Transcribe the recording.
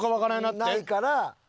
ないから。